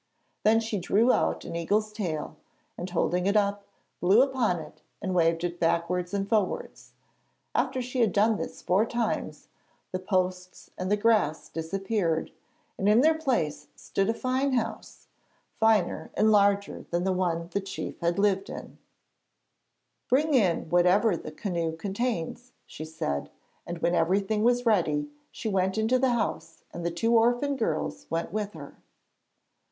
Then she drew out an eagle's tail, and, holding it up, blew upon it and waved it backwards and forwards. After she had done this four times, the posts and the grass disappeared, and in their place stood a fine house finer and larger than the one the chief had lived in. [Illustration: DJUN'S MAGIC IN THE HOUSE OF THE CHIEF.] 'Bring in whatever the canoe contains,' she said; and when everything was ready she went into the house, and the two orphan girls went with her.